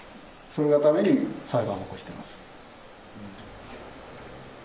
それのために裁判を起こしています。